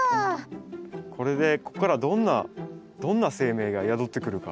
これでこっからどんな生命が宿ってくるか。